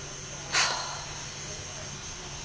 はあ。